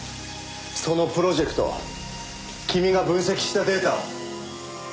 そのプロジェクト君が分析したデータを。